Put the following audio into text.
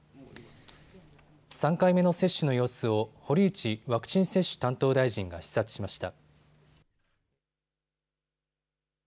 ３回目の接種の様子を堀内ワクチン接種担当大臣が視察しました。